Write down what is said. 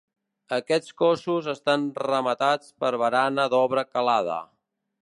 Aquests cossos estan rematats per barana d'obra calada.